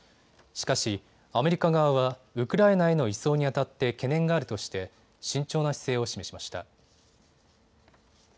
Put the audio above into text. しかし、アメリカ側はウクライナへの移送にあたって懸念があるとして慎重な姿勢を示しました。